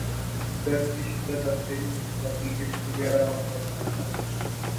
درد کی شدت اب سہی نہیں جاتی اس لیے آرام کرنا چاہتا ہوں